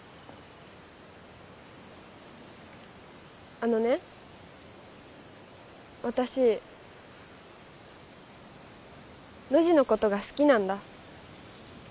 あのね私ノジのことが好きなんだ